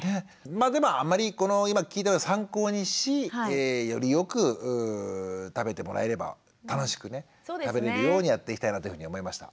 まあでもあんまりこの今聞いたことを参考にしよりよく食べてもらえれば楽しくね食べれるようにやっていきたいなっていうふうに思いました。